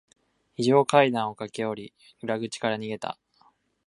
非常階段を駆け下り、裏口から逃げた。